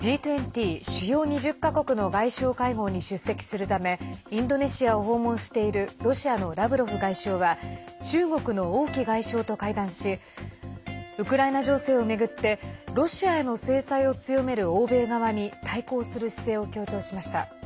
Ｇ２０＝主要２０か国の外相会合に出席するためインドネシアを訪問しているロシアのラブロフ外相は中国の王毅外相と会談しウクライナ情勢を巡ってロシアへの制裁を強める欧米側に対抗する姿勢を強調しました。